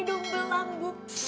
dung belang bu